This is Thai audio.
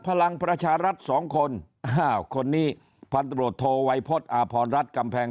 พลังประชารัฐ๒คนคนนี้พันธุบริโธไวพรอาพรรัฐกำแพง